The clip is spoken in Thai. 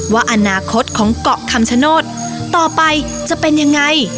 ว่าอนาคตของเกาะคำชโนธต่อไปจะเป็นยังไง